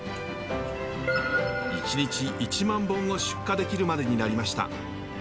１日１万本を出荷できるまでになりました。